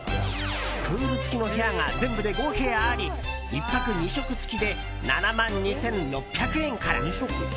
プール付きの部屋が全部で５部屋あり１泊２食付きで７万２６００円から。